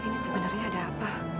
ini sebenarnya ada apa